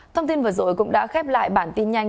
thông tin vừa rồi cũng đã khép lại bản tin nhanh